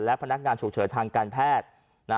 และพนักงานฉุกเฉินทางการแพทย์